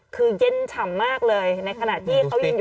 กล้องกว้างอย่างเดียว